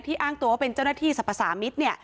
อ้างตัวว่าเป็นเจ้าหน้าที่สรรพสามิตร